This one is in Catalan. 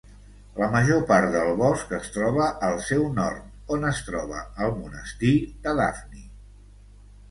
La major part del bosc es troba al seu nord, on es troba el monestir de Daphni.